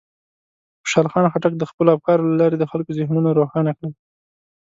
خوشحال خان خټک د خپلو افکارو له لارې د خلکو ذهنونه روښانه کړل.